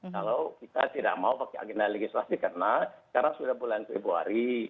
kalau kita tidak mau pakai agenda legislasi karena sekarang sudah bulan februari